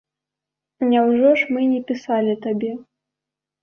Няўжо ж мы не пісалі табе?